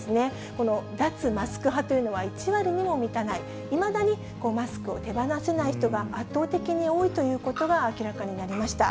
この脱マスク派というのは１割にも満たない、いまだにマスクを手放せない人が圧倒的に多いということが明らかになりました。